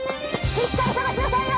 しっかり捜しなさいよ！